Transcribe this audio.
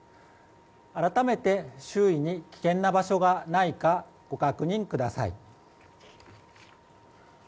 改めて周囲に危険な場所がないかご確認ください。